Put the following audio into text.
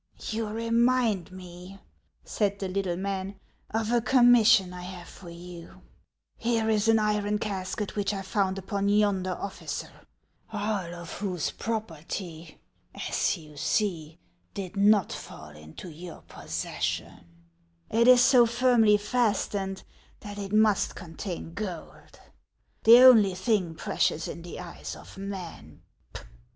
" You remind me," said the little man, " of a commission HANS OF ICELAND. 73 I have for you ; here is an iron casket which I found upon yonder officer, all of whose property, as you see, did not fall into your possession ; it is so firmly fastened, that it must contain gold, — the only thing precious in the eyes of men.